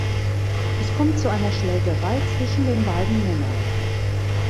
Es kommt zu einer Schlägerei zwischen den beiden Männern.